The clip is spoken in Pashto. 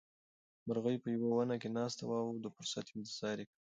مرغۍ په یوه ونه کې ناسته وه او د فرصت انتظار یې کاوه.